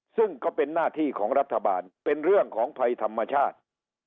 ซึ่งก็เป็นหน้าที่ของรัฐบาลเป็นเรื่องของภัยธรรมชาติ